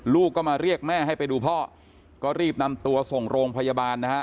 ลูกก็มาเรียกแม่ให้ไปดูพ่อก็รีบนำตัวส่งโรงพยาบาลนะฮะ